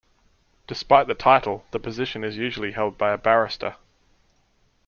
Despite the title, the position is usually held by a barrister.